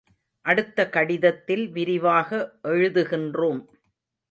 அடுத்த கடிதத்தில் விரிவாக எழுதுகின்றோம்.